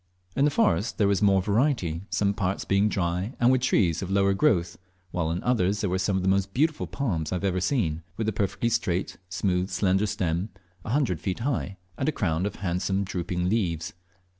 In the forest there was more variety, some parts being dry, and with trees of a lower growth, while in others there were some of the most beautiful palms I have ever seen, with a perfectly straight, smooth, slender stem, a hundred feet high, and a crown of handsome drooping leaves.